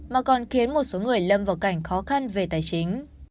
mà còn khiến một số người lâm vào cảnh khó khăn về tài chính